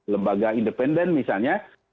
lembaga independen misalnya